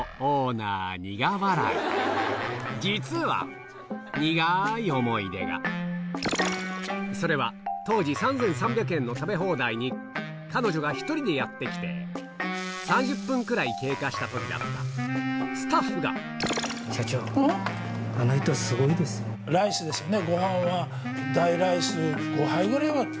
実はそれは当時３３００円の食べ放題に彼女が１人でやって来て３０分くらい経過した時だったスタッフがライスですよね。